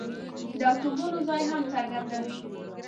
د اتومونو ځای هم څرګندوي.